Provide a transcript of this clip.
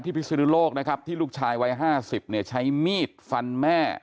ที่พิศนโลกนะครับที่ลูกชายวัยห้าสิบใช้มีดฟันแม่